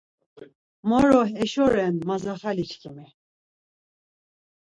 Moro eşo ren mzaxaliçkimi.